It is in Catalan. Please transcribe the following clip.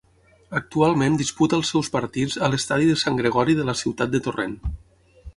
Actualment disputa els seus partits a l'estadi de Sant Gregori de la ciutat de Torrent.